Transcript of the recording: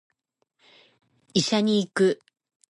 医者に行く